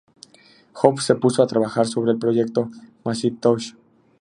Jobs se puso a trabajar sobre el proyecto Macintosh.